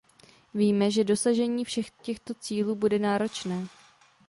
Víme, že dosažení všech těchto cílů bude náročné.